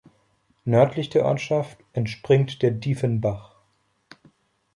Nördlich der Ortschaft entspringt der Dieffenbach.